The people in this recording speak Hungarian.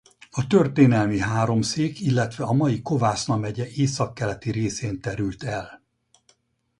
A történelmi Háromszék illetve a mai Kovászna megye északkeleti részén terült el.